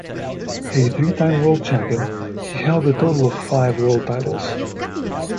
A three-time world champion, he held a total of five world titles.